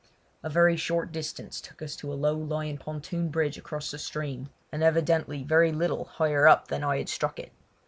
A very short distance took us to a low lying pontoon bridge across the stream, and evidently very little higher up than I had struck it.